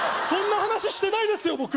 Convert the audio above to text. そんな話してないですよ